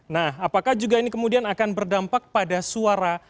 nah apakah juga ini kemudian akan berdampak pada suara